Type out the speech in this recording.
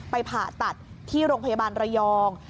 ผ่าตัดที่โรงพยาบาลระยอง